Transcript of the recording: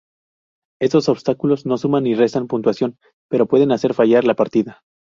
Estos obstáculos no suman ni restan puntuación, pero pueden hacer fallar la partida.